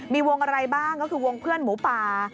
มีวงอะไรบ้างก็คือวงเพื่อนหมูป่า